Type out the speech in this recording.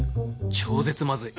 超絶まずい！